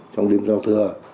trong đêm giao thừa